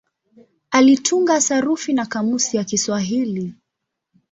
Alitunga sarufi na kamusi ya Kiswahili.